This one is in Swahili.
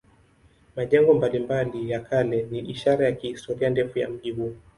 Majengo mbalimbali ya kale ni ishara ya historia ndefu ya mji huu.